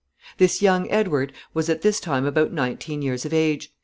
] This young Edward was at this time about nineteen years of age.